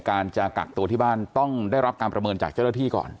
การจะกักตัวที่บ้านต้องได้รับการประเมินจากเจ้าหน้าที่ก่อน